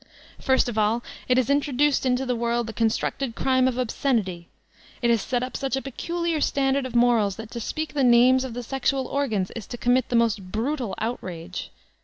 First of all, it has introduced mto the world the con structed crime of obscenity : it has set up such a peculiar standard of morals that to speak the names of the sexbal organs is to commit the most brutal outrage.